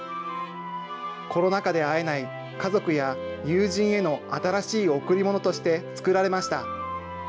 コロナ禍で会えない家族や友人への新しい贈り物として作られました。